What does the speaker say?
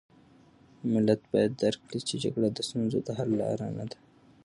ملت باید درک کړي چې جګړه د ستونزو د حل لاره نه ده.